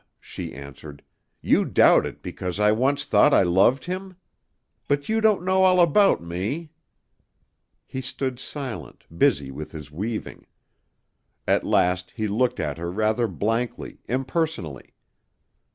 she answered; "you doubt it because I once thought I loved him? But you don't know all about me...." He stood silent, busy with his weaving. At last he looked at her rather blankly, impersonally.